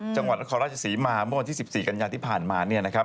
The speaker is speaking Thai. จังหวัดละครราชสิมหามุณที่๑๔กันยานที่ผ่านมาเนี่ยนะครับ